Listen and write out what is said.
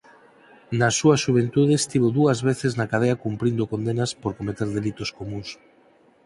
Na súa xuventude estivo dúas veces na cadea cumprindo condenas por cometer delitos comúns.